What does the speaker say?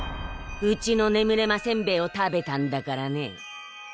うちの眠れませんべいを食べたんだからね。